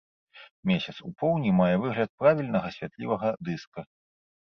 Месяц у поўні мае выгляд правільнага святлівага дыска.